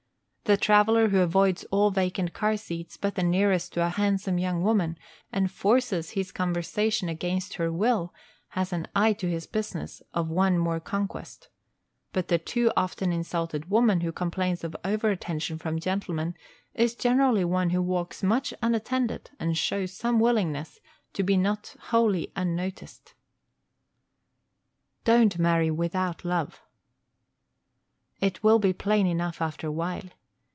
The traveller who avoids all vacant car seats but the nearest to a handsome young woman, and forces his conversation against her will, has an eye to his business of one more conquest; but the too often insulted woman who complains of over attention from gentlemen is generally one who walks much unattended and shows some willingness to be not wholly unnoticed. Don't marry without love. It will be plain enough after a while.